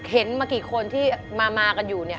เห็นมากี่คนที่มากันอยู่